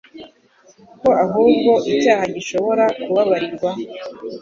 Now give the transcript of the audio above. ko ahubwo icyaha gishobora kubabarirwa